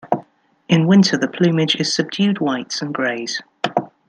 In winter, the plumage is subdued whites and greys.